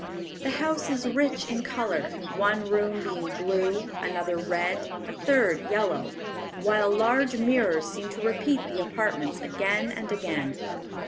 The house is rich in color, one room being blue, another red, a third yellow, while large mirrors seem to repeat the apartments again and again.